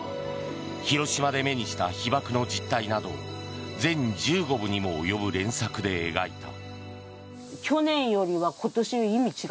広島で目にした被爆の実態などを全１５部にも及ぶ連作で描いた。